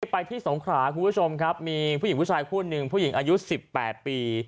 ไปที่สงขราคุณผู้ชมครับมีผู้หญิงผู้ชายคู่หนึ่งผู้หญิงอายุ๑๘ปี